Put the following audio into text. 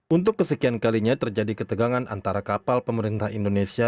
untuk kesekian kalinya terjadi ketegangan antara kapal pemerintah indonesia